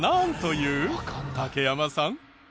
竹山さん。